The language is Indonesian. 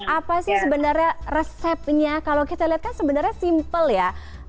apa sih sebenarnya resepnya kalau kita lihat kan sebenarnya simpel ya